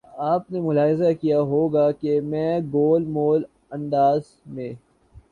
آپ نے ملاحظہ کیا ہو گا کہ میں گول مول انداز میں